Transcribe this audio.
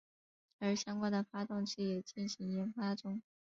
而相关的发动机也进行研发中。